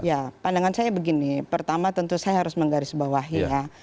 ya pandangan saya begini pertama tentu saya harus menggarisbawahi ya